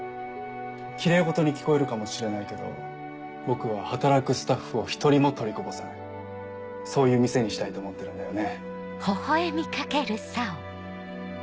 きれい事に聞こえるかもしれないけど僕は働くスタッフを１人も取りこぼさないそういう店にしたいと思ってるんだよね。